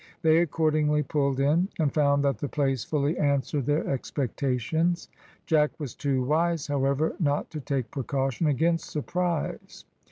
They accordingly pulled in, and found that the place fully answered their expectations. Jack was too wise, however, not to take precaution against surprise.